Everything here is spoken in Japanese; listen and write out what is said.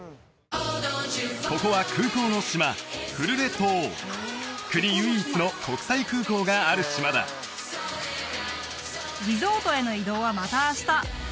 ここは空港の島フルレ島国唯一の国際空港がある島だリゾートへの移動はまた明日